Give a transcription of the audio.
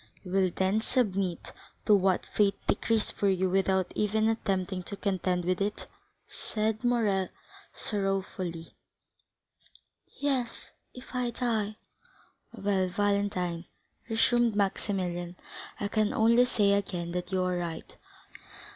'" "You will then submit to what fate decrees for you without even attempting to contend with it?" said Morrel sorrowfully. "Yes,—if I die!" "Well, Valentine," resumed Maximilian, "I can only say again that you are right.